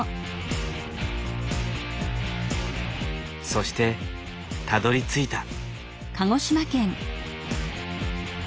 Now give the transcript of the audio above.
そしてたどりついた。